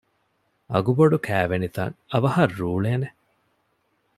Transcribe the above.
އަގުބޮޑު ކައިވެނިތައް އަވަހަށް ރޫޅޭނެ؟